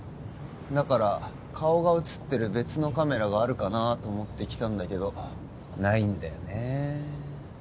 だから顔が写ってる別のカメラがあるかなあと思って来たんだけどないんだよねえ